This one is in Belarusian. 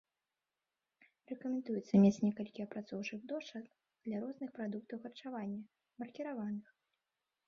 Рэкамендуецца мець некалькі апрацоўчых дошак для розных прадуктаў харчавання, маркіраваных.